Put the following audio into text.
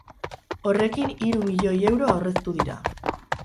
Horrekin hirumilioi euro aurreztu dira.